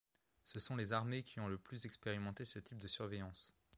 Ce sont les armées qui ont le plus expérimenté ce type de surveillance.